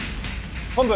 本部！